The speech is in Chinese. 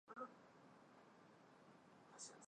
勒沙特列人口变化图示